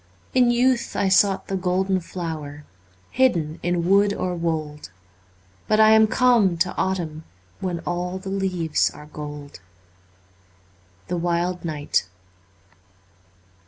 In youth I sought the golden flower Hidden in wood or wold. But I am come to autumn, When all the leaves are gold. ' The Wild Knight.'